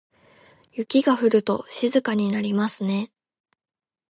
雪が降ると静かになりますね。